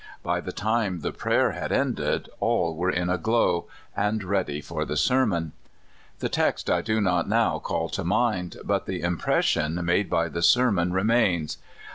By the time the prayer had ended, all were in a glow, and ready for the ser mon. The text I do not now call to mind, but the impression made by the sermon remains.